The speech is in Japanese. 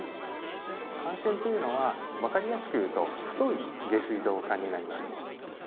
幹線というのはわかりやすく言うと太い下水道管になります。